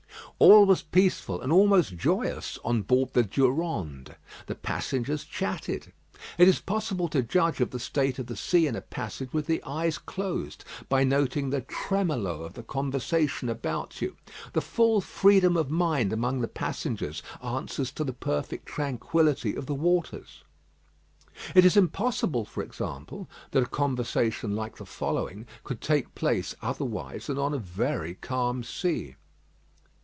All was peaceful and almost joyous on board the Durande. The passengers chatted. It is possible to judge of the state of the sea in a passage with the eyes closed, by noting the tremolo of the conversation about you. The full freedom of mind among the passengers answers to the perfect tranquillity of the waters. It is impossible, for example, that a conversation like the following could take place otherwise than on a very calm sea.